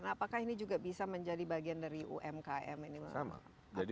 apakah ini juga bisa menjadi bagian dari umkm ini